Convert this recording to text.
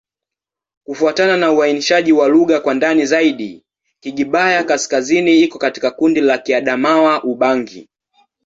Kufuatana na uainishaji wa lugha kwa ndani zaidi, Kigbaya-Kaskazini iko katika kundi la Kiadamawa-Ubangi.